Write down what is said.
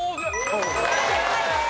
正解です。